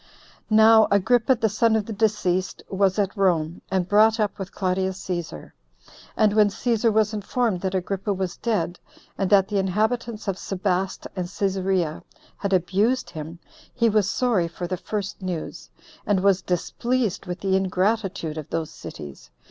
2. Now Agrippa, the son of the deceased, was at Rome, and brought up with Claudius Cæsar. And when Cæsar was informed that Agrippa was dead, and that the inhabitants of Sebaste and Cæsarea had abused him, he was sorry for the first news, and was displeased with the ingratitude of those cities.